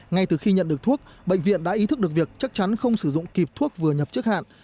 ngay từ khi nhận được thuốc bệnh viện đã ý thức được việc chắc chắn không sử dụng kịp thuốc vừa nhập trước hạn